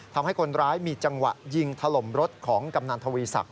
ทำให้คนร้ายมีจังหวะยิงถล่มรถของกำนันทวีศักดิ